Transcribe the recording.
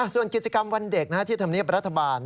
ส่วนกิจกรรมวันเด็กที่ธรรมเนียบรัฐบาล